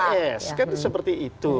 pks kan seperti itu